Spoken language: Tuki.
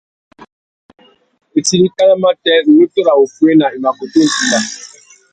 Itindikana matê, nutu râ wuffuéna i mà kutu timba.